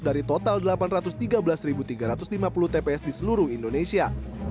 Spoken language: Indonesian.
dari total delapan ratus tiga belas tiga ratus lima puluh tps di seluruh indonesia